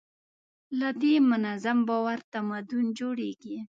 له دې منظم باور تمدن جوړېږي.